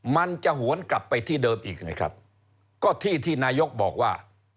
มันจะหวนกลับไปที่เดิมอีกไงครับก็ที่ที่นายกบอกว่า